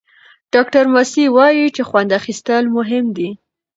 ډاکټره ماسي وايي چې خوند اخیستل مهم دي.